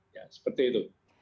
ya seperti itu